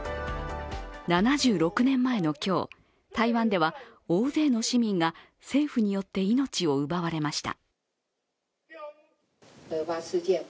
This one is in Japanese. ７６年前の今日、台湾では大勢の市民が政府によって命を奪われました。